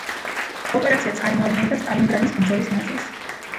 ოპერაცია წარმოადგენდა სტალინგრადის ბრძოლის ნაწილს.